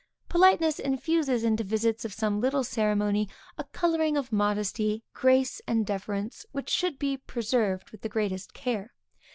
Politeness infuses into visits of some little ceremony, a coloring of modesty, grace, and deference, which should be preserved with the greatest care.